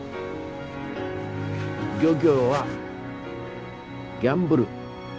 漁業はギャンブル。